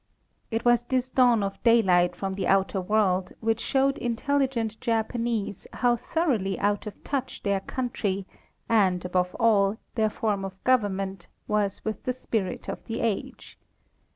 It was this dawn of daylight from the outer world which showed intelligent Japanese how thoroughly out of touch their country and, above all, their form of government was with the spirit of the age.